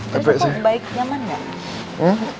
tapi kok gak baik nyaman gak